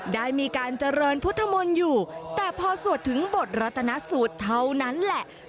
ได้มีการเจริญพุทธมนต์อยู่แต่พอสวดถึงบทรัฐนสูตรเท่านั้นแหละ